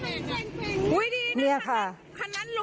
ใช่คันนั้นลูกพี่ก็รู้ว่ามันเต็มเป็นอย่างนี้